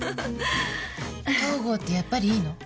東郷ってやっぱりいいの？